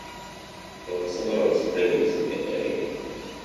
There were several springs in the area.